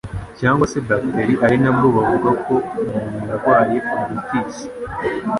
cyangwa se bacteri ari nabwo bavuga ko umuntu yarwaye meningitis